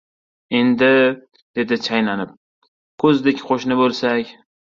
— Endi, — dedi chaynalib, — ko‘zdek qo‘shni bo‘lsak...